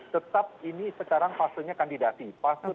tetap ini sekarang pasurnya kandidati